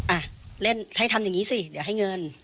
อ่ะเล่นให้ทำอย่างนี้สิเดี๋ยวให้เงิน